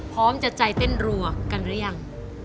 พร้อมจะใจเต้นรัวกันหรือยัง